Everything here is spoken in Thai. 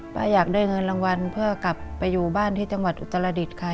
อยากได้เงินรางวัลเพื่อกลับไปอยู่บ้านที่จังหวัดอุตรดิษฐ์ค่ะ